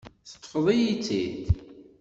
Teṭṭfeḍ-iyi-tt-id.